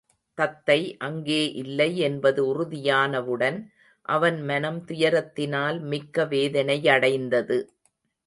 தத்தை அங்கே இல்லை என்பது உறுதி யானவுடன், அவன் மனம் துயரத்தினால் மிக்க வேதனை யடைந்தது.